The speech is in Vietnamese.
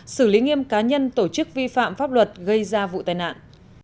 xử lý nghiêm cá nhân tổ chức vi phạm pháp luật gây ra vụ tai nạn